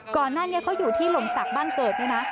ก่อนหน้านี้เขาอยู่ที่ลมศักดิ์บ้านเกิดเนี่ยนะ